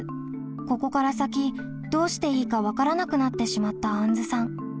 ここから先どうしていいか分からなくなってしまったあんずさん。